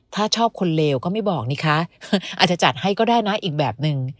ถ้าชอบคนเลวก็ไม่บอกนี่คะอาจจะจัดให้ก็ได้นะอีกแบบนึง